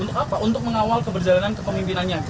untuk apa untuk mengawal keberjalanan kepemimpinannya